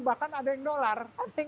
bahkan ada yang dolar